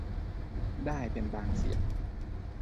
ได้เป็นบางเสียง